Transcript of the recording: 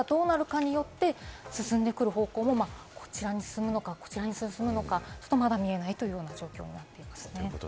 この高気圧がどうなるかによって進んでくる方向も、こちらに進むのか、こちらに進むのかまだ見えないという状況になっていますね。